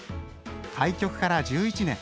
開局から１１年。